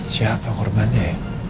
siapa korbannya ya